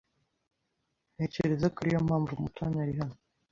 Ntekereza ko ariyo mpamvu Mutoni ari hano.